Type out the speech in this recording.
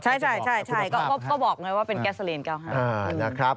ใช่ก็บอกเลยว่าเป็นแกสเซอรีน๙๕